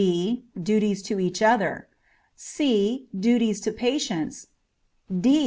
b. Duties to each other. c. Duties to patients. _d.